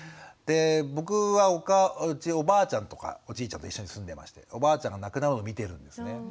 で僕はうちおばあちゃんとかおじいちゃんと一緒に住んでましておばあちゃんが亡くなるの見てるんですね。